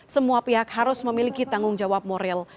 semua pihak harus memiliki tanggung jawab moral